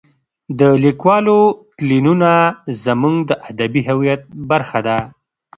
د لیکوالو تلینونه زموږ د ادبي هویت برخه ده.